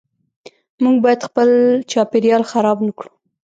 موږ باید خپل چاپیریال خراب نکړو .